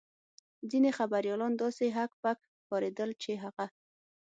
ځینې خبریالان داسې هک پک ښکارېدل چې هغه.